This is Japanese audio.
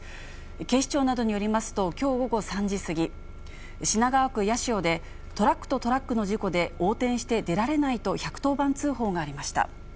警視庁などによりますと、きょう午後３時過ぎ、品川区八潮で、トラックとトラックの事故で横転して出られないと１１０番通報がありました。